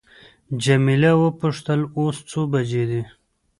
جميله وپوښتل اوس څو بجې دي.